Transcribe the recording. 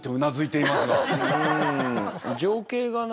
情景がな